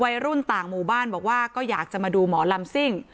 วัยรุ่นต่างหมู่บ้านบอกว่าก็อยากจะมาดูหมอลำซิ่ง